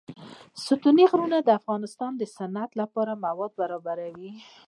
ستوني غرونه د افغانستان د صنعت لپاره مواد برابروي.